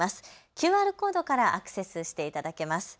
ＱＲコードからアクセスしていただけます。